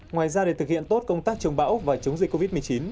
ngoài ra để thực hiện tốt công tác chống bão và chống dịch covid một mươi chín